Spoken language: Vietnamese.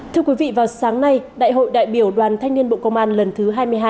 thưa quý vị vào sáng nay đại hội đại biểu đoàn thanh niên bộ công an lần thứ hai mươi hai